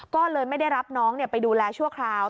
ก็เลยไม่ได้รับน้องไปดูแลชั่วคราว